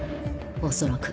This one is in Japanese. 恐らく。